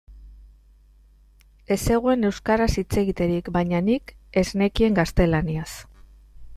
Ez zegoen euskaraz hitz egiterik, baina nik ez nekien gaztelaniaz.